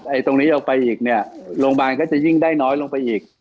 ตรงนี้ออกไปอีกเนี่ยโรงพยาบาลก็จะยิ่งได้น้อยลงไปอีก